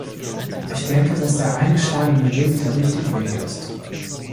Ich denke, dass der eingeschlagene Weg der richtige Weg ist.